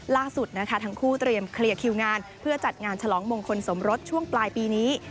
ล่าสุดนะคะทั้งคู่เตรียมเคลียร์คิวงานเพื่อจัดงานฉลองมงคลสมรสช่วงปลายปีนี้